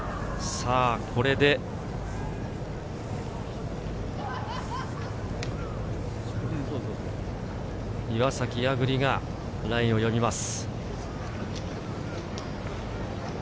これで岩崎亜久竜がラインを読みます。